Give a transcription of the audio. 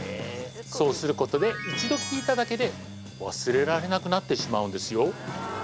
そうすることで一度聴いただけで忘れられなくなってしまうんですよ